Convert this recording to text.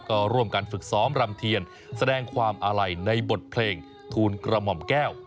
ก็ร่วมกันฝึกซ้อมรำเทียนแสดงความอาลัยในบทเพลงทูลกระหม่อมแก้ว